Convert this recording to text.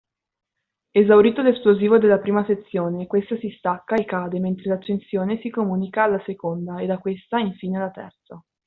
Esaurito l’esplosivo della prima sezione questa si stacca e cade mentre l’accensione si comunica alla seconda e da questa infine alla terza.